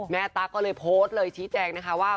ตั๊กก็เลยโพสต์เลยชี้แจงนะคะว่า